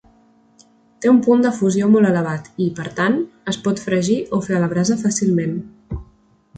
Té un punt de fusió molt elevat i, per tant, es pot fregir o fer a la brasa fàcilment.